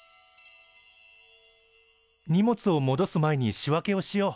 荷物をもどす前に仕分けをしよう。